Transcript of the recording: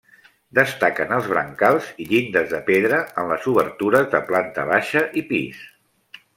Destaquen els brancals i llindes de pedra en les obertures de planta baixa i pis.